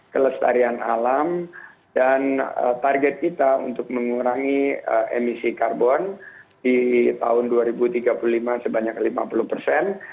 kelestarian alam dan target kita untuk mengurangi emisi karbon di tahun dua ribu tiga puluh lima sebanyak lima puluh persen